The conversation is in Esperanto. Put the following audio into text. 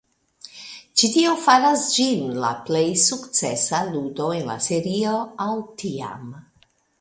Ĉi tiu faras ĝin la plej sukcesa ludo en la serio al tiam.